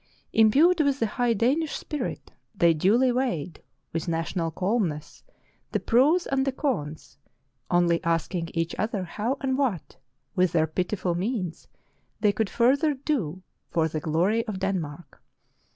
Imbued with the high Danish spirit, they duly weighed, with national calmness, the pros and the cons, only asking each other how and what, with their piti ful means, they could further do for the glory of Den mark.